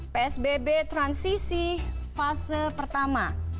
psbb transisi fase pertama